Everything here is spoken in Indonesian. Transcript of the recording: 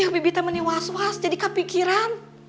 bibi teh meniwas was jadi kepikiran